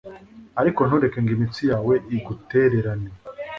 ariko ntureke ngo imitsi yawe igutererane